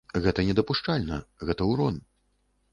Гэта недапушчальна, гэта ўрон.